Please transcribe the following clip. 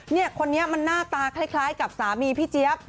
เนี่ยคนนี้มันหน้าตาคล้ายกับสามีพี่เจี๊ยบ